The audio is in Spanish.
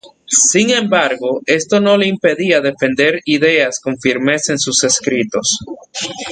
Sin embargo, esto no le impedía defender ideas con firmeza en sus escritos.